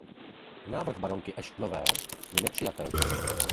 Návrh baronky Ashtonové je nepřijatelný.